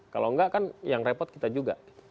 kalau enggak kan yang repot kita juga